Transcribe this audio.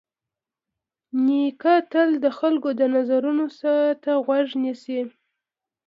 نیکه تل د خلکو د نظرونو ته غوږ نیسي.